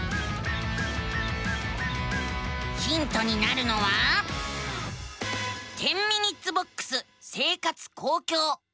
ヒントになるのは「１０ｍｉｎ．ボックス生活・公共」。